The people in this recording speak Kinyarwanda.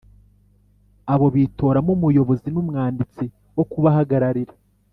Abo bitoramo umuyobozi n umwanditsi wo kubahagararira.